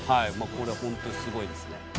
これはホントにすごいですね